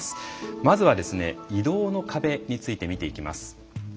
まずは移動の壁について見ていきます。